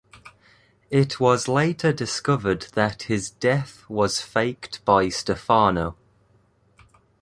It was later discovered that his death was faked by Stefano.